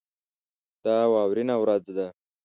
دا واورینه ورځ ده.